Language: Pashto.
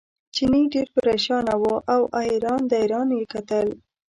چیني ډېر پرېشانه و او اریان دریان یې کتل.